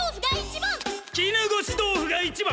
絹ごし豆腐が一番！